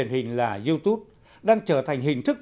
hình là youtube đang trở thành hình thức